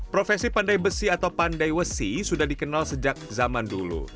profesi pandai besi atau pandai wesi sudah dikenal sejak zaman dulu